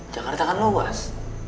jakarta kan luas